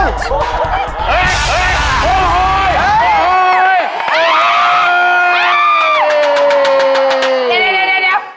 เดี๋ยว